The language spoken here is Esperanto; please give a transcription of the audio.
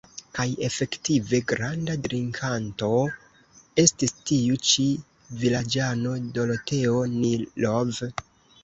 Kaj efektive, granda drinkanto estis tiu ĉi vilaĝano, Doroteo Nilov.